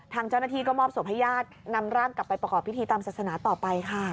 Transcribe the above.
ทางเจ้าหน้าที่ก็มอบศพให้ญาตินำร่างกลับไปประกอบพิธีตามศาสนาต่อไปค่ะ